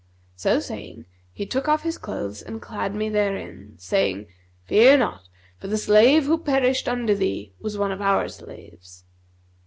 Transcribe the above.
So saying, he took off his clothes and clad me therein, saying, 'Fear not, for the slave who perished under thee was one of our slaves.'